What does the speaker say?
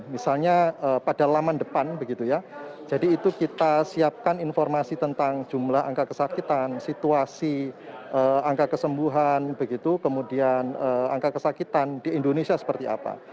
misalnya pada laman depan begitu ya jadi itu kita siapkan informasi tentang jumlah angka kesakitan situasi angka kesembuhan begitu kemudian angka kesakitan di indonesia seperti apa